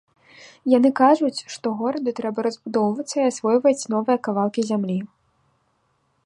Яны кажуць, што гораду трэба разбудоўвацца і асвойваць новыя кавалкі зямлі.